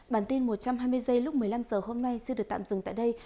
bản tin một trăm hai mươi giây lúc một mươi năm h hôm nay xin được tạm dừng tại đây